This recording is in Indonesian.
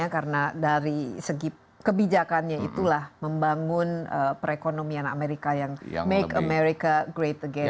kebijakannya itulah membangun perekonomian amerika yang make america great again